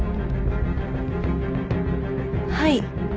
はい。